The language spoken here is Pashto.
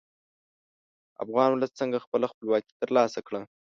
افغان ولس څنګه خپله خپلواکي تر لاسه کړه.